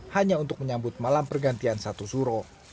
hanya untuk menyambut malam pergantian satu suro